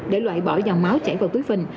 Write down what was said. để loại bỏ dòng máu chảy vào túi phình